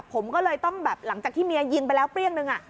ผมก็เลยต้องแบบหลังจากที่เมียยิงไปแล้วเปรี้ยงนึง